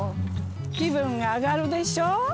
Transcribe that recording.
気分が上がるでしょう？